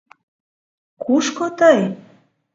Кушко тый?..